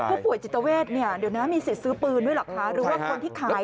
พวกผู้ป่วยจิตเวทเดี๋ยวนั้นมีศิษย์ซื้อปืนด้วยหรือคะ